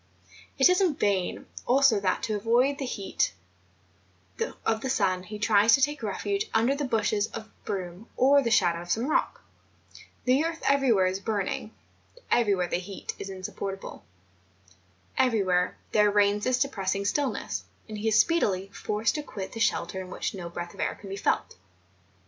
It is in vain also that to avoid the heat of the sun, he tries to take refuge under the bushes of broom or the shadow of some rock ; the earth everywhere is burning, everywhere the heat is insupportable, everywhere there reigns this depressing stillness, and he is speedily forced to quit the shelter in which no breath of air can be felt.